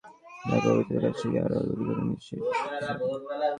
পরে দুর্বৃত্তরা তাঁর কাছে গিয়ে আরও গুলি করে মৃত্যু নিশ্চিত করে।